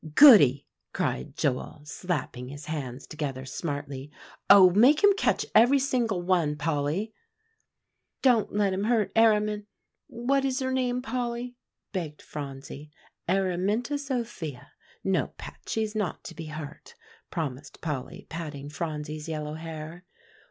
'" "Goody!" cried Joel, slapping his hands together smartly. "Oh! make him catch every single one, Polly." "Don't let him hurt Aramin what is her name, Polly?" begged Phronsie. "Araminta Sophia. No, pet; she's not to be hurt," promised Polly, patting Phronsie's yellow hair.